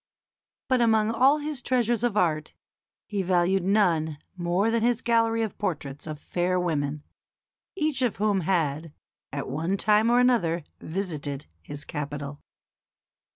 But among all his treasures of art he valued none more than his gallery of portraits of fair women, each of whom had, at one time or another, visited his capital.